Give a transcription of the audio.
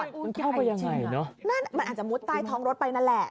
มันเข้าไปยังไงนั่นมันอาจจะมุดใต้ท้องรถไปนั่นแหละ